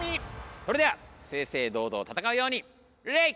それでは正々堂々戦うように礼！